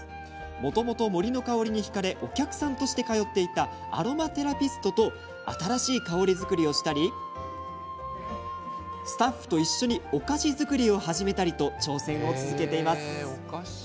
もともと森の香りにひかれお客さんとして通っていたアロマテラピストと新しい香り作りをしたりスタッフと一緒にお菓子作りを始めたりと挑戦を続けています。